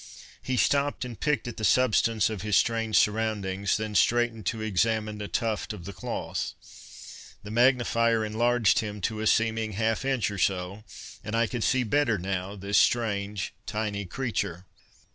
He stopped and picked at the substance of his strange surroundings, then straightened to examine a tuft of the cloth. The magnifier enlarged him to a seeming half inch or so, and I could see better, now, this strange tiny creature.